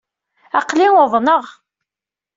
Aql-i uḍneɣ.